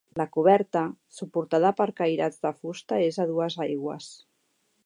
La coberta, suportada per cairats de fusta és a dues aigües.